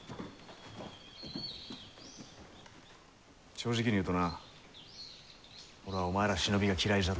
正直に言うとな俺はお前ら忍びが嫌いじゃった。